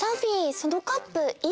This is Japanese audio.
そのカップいいね！